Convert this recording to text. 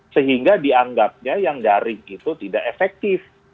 sehingga dianggapnya yang daring itu tidak efektif